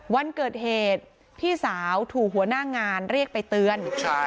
วันเกิดเหตุพี่สาวถูกหัวหน้างานเรียกไปเตือน